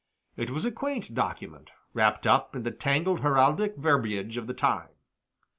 It was a quaint document, wrapped up in the tangled heraldic verbiage of the time.